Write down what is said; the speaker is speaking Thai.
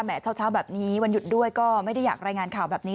เช้าแบบนี้วันหยุดด้วยก็ไม่ได้อยากรายงานข่าวแบบนี้